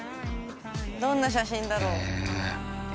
どんな写真だろう？